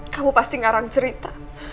kamu pasti ngarang cerita